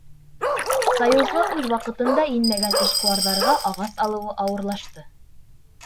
Союзға үҙ ваҡытында инмәгән эшҡыуарҙарға ағас алыуы ауырлашты.